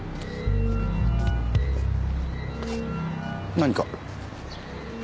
何か？